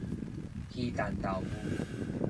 皮蛋豆腐